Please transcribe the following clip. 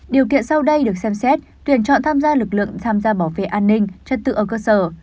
điều kiện sau đây được xem xét tuyển chọn tham gia lực lượng tham gia bảo vệ an ninh trật tự ở cơ sở